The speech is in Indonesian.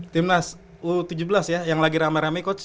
timnas u tujuh belas ya yang lagi rame rame coach